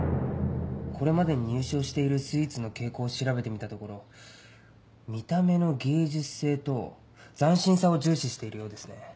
これまでに入賞しているスイーツの傾向を調べてみたところ見た目の芸術性と斬新さを重視しているようですね。